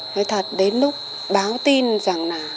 nói thật đến lúc báo tin rằng là